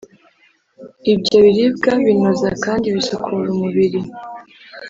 Ibyo biribwa binoza kandi bisukura umubiri